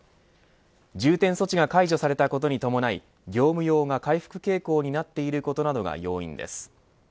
重点措置が解除されたことに伴い業務用が回復傾向になっていることなどが要因です。